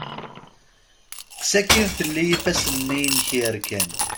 Kkes akin fell-i ifassen-nni inek yerkan.